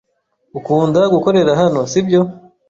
Ukunda gukorera hano, sibyo?